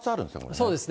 そうですね。